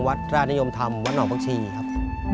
วัดราชนิยมธรรมวัดหนองผักชีครับ